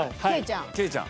ケイちゃん。